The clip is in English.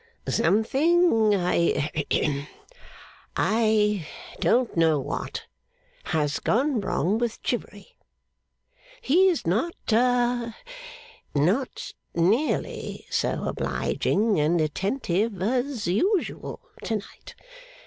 'Something, I hem! I don't know what, has gone wrong with Chivery. He is not ha! not nearly so obliging and attentive as usual to night.